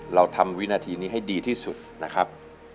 เราทำวินาทีนี้ให้ดีที่สุดนะครับ